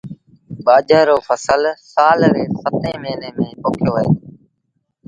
ٻآجھر رو ڦسل سآل ري ستيٚن موهيݩي ميݩ پوکيو وهي دو۔